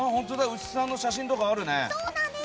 牛さんの写真とかあるね。